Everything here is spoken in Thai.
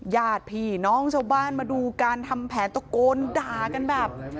ญาติพี่น้องชาวบ้านมาดูการทำแผนตะโกนด่ากันแบบ